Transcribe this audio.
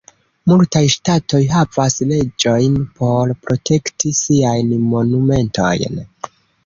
Multaj ŝtatoj havas leĝojn por protekti siajn monumentojn.